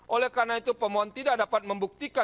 oleh karena itu pemohon tidak dapat membuktikan